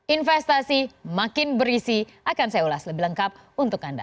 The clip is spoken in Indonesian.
investasi makin berisi akan saya ulas lebih lengkap untuk anda